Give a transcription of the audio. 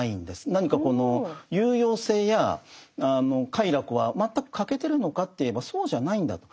何かこの有用性や快楽は全く欠けてるのかといえばそうじゃないんだと。